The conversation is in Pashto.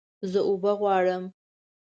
زه اوبه غواړم